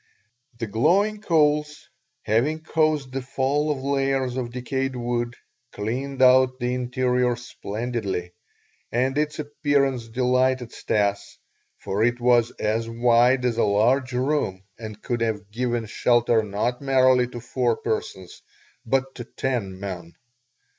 The glowing coals, having caused the fall of layers of decayed wood, cleaned out the interior splendidly, and its appearance delighted Stas, for it was as wide as a large room and could have given shelter not merely to four persons, but to ten men.